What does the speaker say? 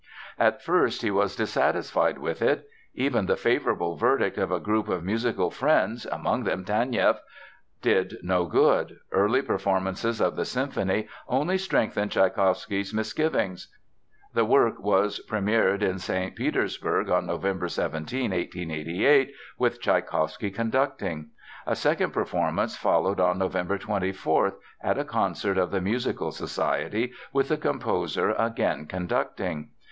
At first he was dissatisfied with it. Even the favorable verdict of a group of musical friends, among them Taneieff, did no good. Early performances of the symphony only strengthened Tschaikowsky's misgivings. The work was premièred in St. Petersburg on November 17, 1888, with Tschaikowsky conducting. A second performance followed on November 24, at a concert of the Musical Society, with the composer again conducting.